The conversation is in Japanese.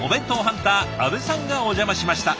ハンター阿部さんがお邪魔しました。